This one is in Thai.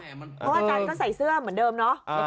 เพราะอาจารย์ก็ใส่เสื้อเหมือนเดิมเนาะ